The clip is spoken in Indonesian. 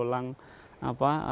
elang berontok itu masih ada